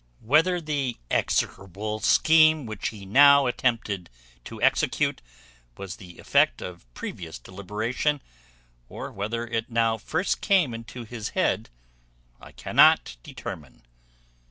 Whether the execrable scheme which he now attempted to execute was the effect of previous deliberation, or whether it now first came into his head, I cannot determine.